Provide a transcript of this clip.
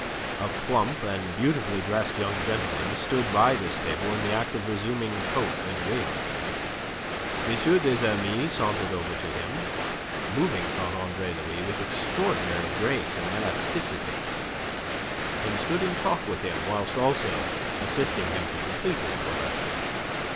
A plump and beautifully dressed young gentleman stood by this table in the act of resuming coat and wig. M. des Amis sauntered over to him moving, thought Andre Louis, with extraordinary grace and elasticity and stood in talk with him whilst also assisting him to complete his toilet.